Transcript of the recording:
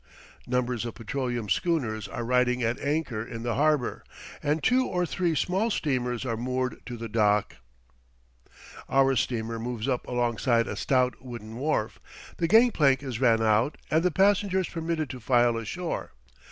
Numbers of petroleum schooners are riding at anchor in the harbor, and two or three small steamers are moored to the dock. Our steamer moves up alongside a stout wooden wharf, the gang plank is ran out, and the passengers permitted to file ashore.